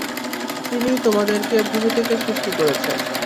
তিনি তোমাদেরকে ভূমি থেকে সৃষ্টি করেছেন।